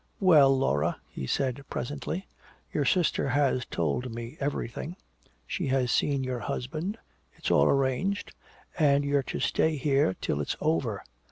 "Well, Laura," he said presently, "your sister has told me everything. She has seen your husband it's all arranged and you're to stay here till it's over